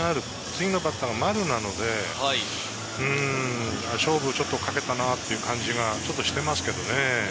次のバッターは丸なので勝負をかけたなという感じがしていますけれどね。